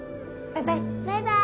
バイバイ。